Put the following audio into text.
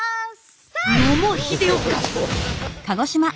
野茂英雄か！